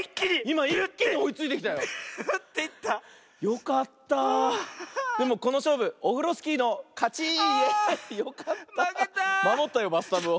まもったよバスタブを。